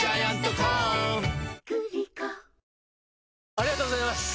ありがとうございます！